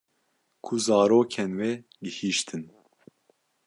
Ku zarokên wê gihîştin